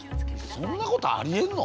そんなことありえんの？